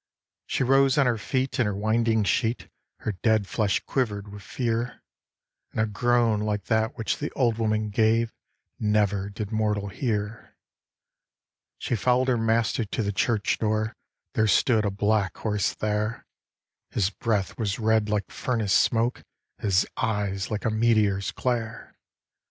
She rose on her feet in her winding sheet, Her dead flesh quiver'd with fear, And a groan like that which the Old Woman gave Never did mortal hear. She follow'd her Master to the church door, There stood a black horse there; His breath was red like furnace smoke, His eyes like a meteor's glare.